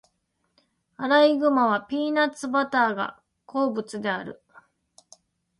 アライグマはピーナッツバターが好物である。